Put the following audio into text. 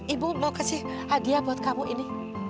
ibu mau kasih hadiah buat kamu ini